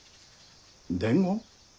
伝言？